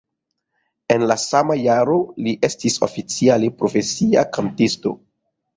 En la sama jaro li estis oficiale profesia kantisto.